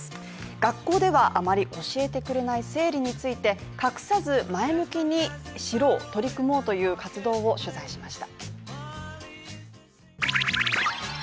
学校ではあまり教えてくれない生理について隠さず、前向きに学ぼうという活動を取材しました。